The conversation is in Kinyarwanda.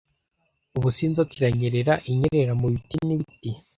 Ubuse inzoka iranyerera inyerera mu biti n'ibiti,